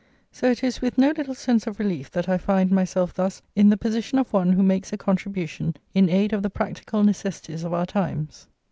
So it is with no little sense of relief that I find myself thus in the position of one who makes a contribution in aid of the practical necessities of our times.